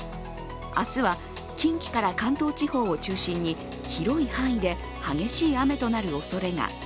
明日は、近畿から関東地方を中心に広い範囲で激しい雨となるおそれが。